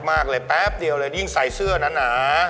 มักมากเลยแป๊บเดียวเลยยิ่งใส่เสื้อน้ะหนา